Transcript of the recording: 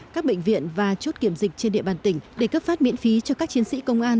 các bệnh viện và chốt kiểm dịch trên địa bàn tỉnh để cấp phát miễn phí cho các chiến sĩ công an